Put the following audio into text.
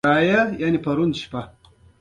هېڅ زور نه غواړي تا کوم کتاب لوستی، هماغه ولیکه.